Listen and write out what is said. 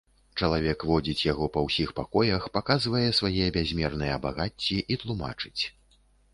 Чалавек водзіць яго па ўсіх пакоях, паказвае свае бязмерныя багацці і тлумачыць.